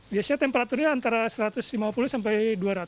biasanya temperaturnya antara satu ratus lima puluh sampai dua ratus